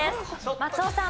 松尾さん。